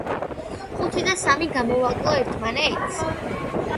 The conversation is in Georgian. ხუთი და სამი გამოვაკლო ერთმანეთს?